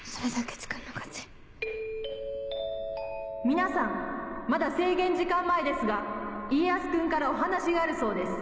皆さんまだ制限時間前ですが家康君からお話があるそうです。